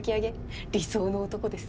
理想の男です。